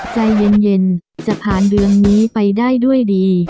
ใจเย็นจะผ่านเดือนนี้ไปได้ด้วยดี